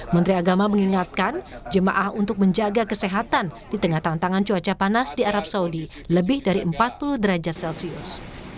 menteri agama mengingatkan jemaah untuk menjaga kesehatan di tengah tantangan cuaca panas di arab saudi lebih dari empat puluh derajat celcius